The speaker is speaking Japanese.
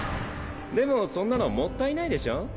でもそんなのもったいないでしょ？